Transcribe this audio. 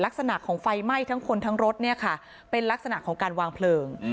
ลักษณะของไฟไหม้ทั้งคนทั้งรถเนี่ยค่ะเป็นลักษณะของการวางเพลิง